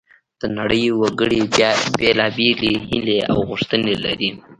د نړۍ وګړي بیلابیلې هیلې او غوښتنې لري